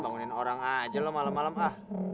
bangunin orang aja lo malem malem ah